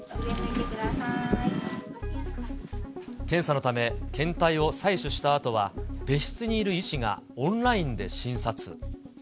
検査のため、検体を採取したあとは、別室にいる医師がオンラインで診察。